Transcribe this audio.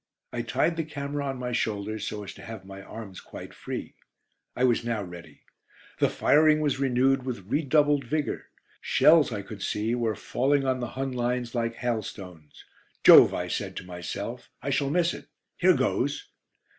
I tied the camera on my shoulders, so as to have my arms quite free. I was now ready. The firing was renewed with redoubled vigour. Shells I could see were falling on the Hun lines like hailstones. "Jove!" I said to myself, "I shall miss it. Here goes."